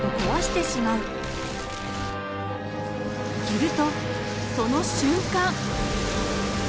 するとその瞬間！